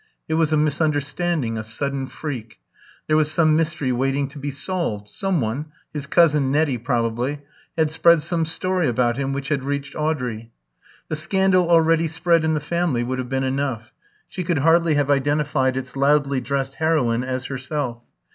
It was a misunderstanding, a sudden freak; there was some mystery waiting to be solved; some one his cousin Nettie probably had spread some story about him which had reached Audrey. The scandal already spread in the family would have been enough; she could hardly have identified its loudly dressed heroine as herself.